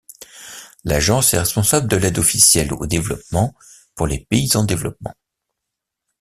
L'agence est responsable de l'aide officielle au développement pour les pays en développement.